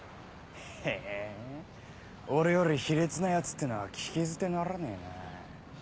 へぇ俺より卑劣なヤツってのは聞き捨てならねえな。